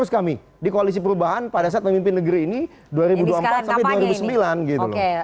kami di koalisi perubahan pada saat memimpin negeri ini jadi mudahnya b g lalu